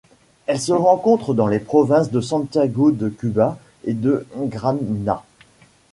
Elle se rencontre dans les provinces de Santiago de Cuba et de Gramna.